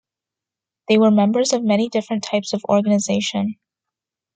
They were members of many different types of organisation.